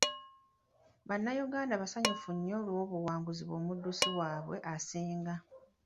Bannayuganda basanyufu nnyo olw'obuwanguzi bw'omuddusi waabwe asinga.